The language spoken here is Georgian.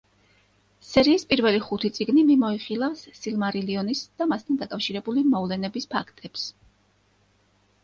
სერიის პირველი ხუთი წიგნი მიმოიხილავს „სილმარილიონის“ და მასთან დაკავშირებული მოვლენების ფაქტებს.